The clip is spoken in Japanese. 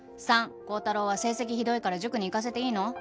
３高太郎は成績ひどいから塾に行かせていいの？